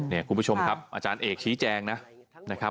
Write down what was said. นี่คุณผู้ชมครับอาจารย์เอกชี้แจงนะครับ